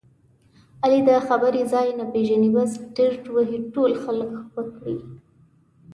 علي د خبرې ځای نه پېژني بس ډرت وهي ټول خلک خپه کړي.